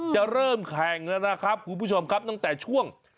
จะเริ่มแข่งแล้วนะครับคุณผู้ชมครับตั้งแต่ช่วง